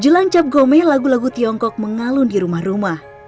jelang cap gome lagu lagu tiongkok mengalun di rumah rumah